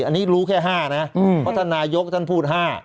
อันนี้รู้แค่๕นะเพราะท่านนายกท่านพูด๕